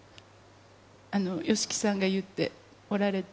ＹＯＳＨＩＫＩさんが言っておられた、